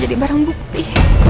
jadi barang bukti